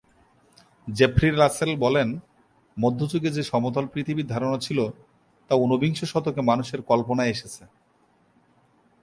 Jeffrey Russell বলেন, মধ্য যুগে যে সমতল পৃথিবীর ধারণা ছিল তা ঊনবিংশ শতকে মানুষের কল্পনায় এসেছে।